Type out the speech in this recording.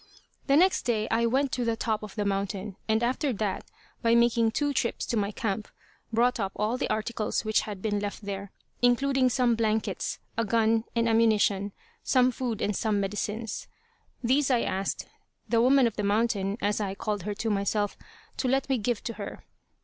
The next day I went to the top of the mountain, and after that, by making two trips to my camp, brought up all the articles which had been left there, including some blankets a gun and ammunition, some food and some medicines. These I asked "the woman of the mountain," as I called her to myself, to let me give to her.